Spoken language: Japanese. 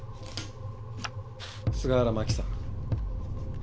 菅原真紀さん。